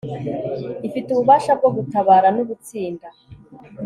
ifite ububasha bwo gutabara n ubutsinda